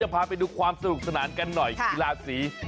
พาไปดูความสนุกสนานกันหน่อยกีฬาสี